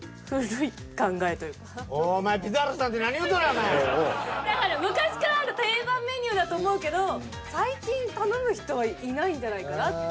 何かちょっとお前だから昔からある定番メニューだと思うけど最近頼む人はいないんじゃないかなって。